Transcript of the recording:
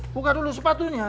buka dulu sepatunya